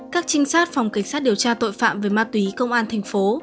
các trinh sát phòng cảnh sát điều tra tội phạm về ma túy công an thành phố